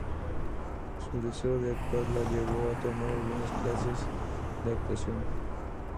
Su deseo de actuar la llevó a tomar algunas clases de actuación.